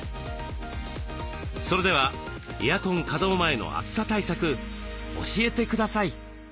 それではエアコン稼働前の暑さ対策教えてください。